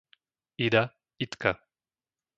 Ida, Idka